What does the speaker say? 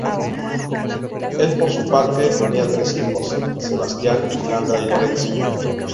El por su parte tenía tres hijos, Sebastián, Alejandra y Lorenzo.